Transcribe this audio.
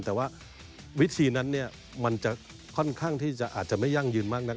แต่ว่าวิธีนั้นมันจะค่อนข้างที่อาจจะไม่ยั่งยืนมากนัก